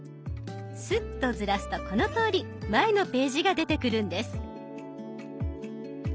スッとずらすとこのとおり前のページが出てくるんです。